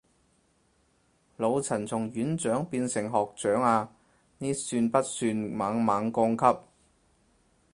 老陳從院長變成學長啊，呢算不算猛猛降級